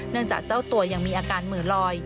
จากเจ้าตัวยังมีอาการเหมือลอย